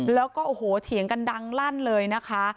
แล้วก็โอ้โหเถียงกันดังลั่นเลยนะคะ